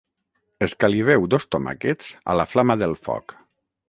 Escaliveu dos tomàquets a la flama del foc